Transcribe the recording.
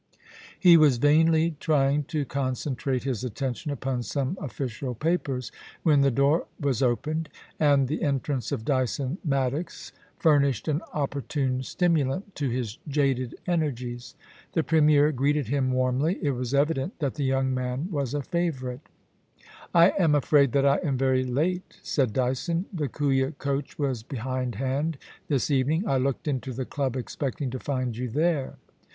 He was vainly trying to concentrate his attention upon some official papers, when the door was opened, and the entrance of Dyson Maddox furnished an opportune stimu lant to his jaded energies. The Premier greeted him warmly ; it was evident that the young man was a favourite. * I am afraid that I am very late,' said Dyson. The Kooya coach was behindhand this evening. I looked into ;the club expecting to find you there.'